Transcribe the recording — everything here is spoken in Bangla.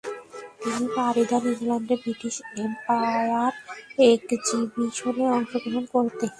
তিনি পাড়ি দেন ইংল্যান্ডে বৃটিশ এম্পায়ার একজিবিশনে অংশগ্রহণ করতে।